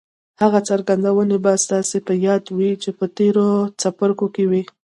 هغه څرګندونې به ستاسې په ياد وي چې په تېرو څپرکو کې وې.